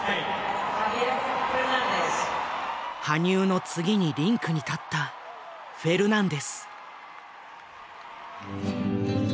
羽生の次にリンクに立ったフェルナンデス。